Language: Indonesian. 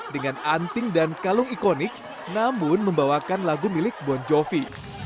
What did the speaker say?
dengan anting dan kalung ikonik namun membawakan lagu milik bon jovi